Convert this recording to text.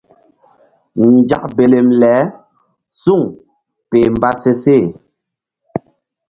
Nzak belem le suŋ peh mba se seh.